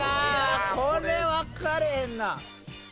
これわからへんな。